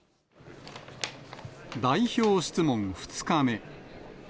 代表質問２日目。